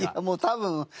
もう多分。